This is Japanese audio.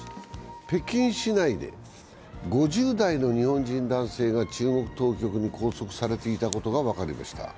北京市内で５０代の日本人男性が中国当局に拘束されていたことが分かりました。